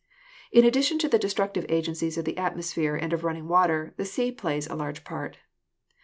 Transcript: In addition to the destructive agencies of the atmosphere and of running water, the sea plays a large part.